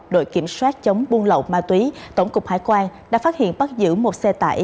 đội kiểm soát chống buôn lậu ma túy tổng cục hải quan đã phát hiện bắt giữ một xe tải